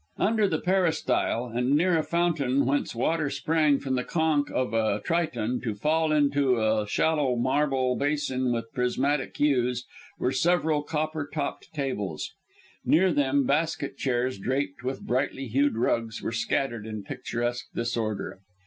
Under the peristyle, and near a fountain whence water sprang from the conch of a Triton to fall into a shallow marble basin with prismatic hues, were several copper topped tables. Near them, basket chairs draped with brightly hued rugs, were scattered in picturesque disorder.